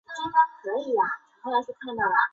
勤劳和工作效率